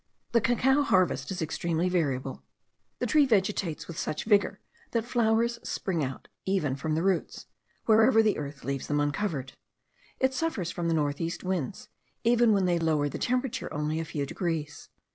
The cacao harvest is extremely variable. The tree vegetates with such vigour that flowers spring out even from the roots, wherever the earth leaves them uncovered. It suffers from the north east winds, even when they lower the temperature only a few degrees.